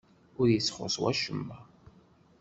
Ur t-ixuṣṣ wacemma?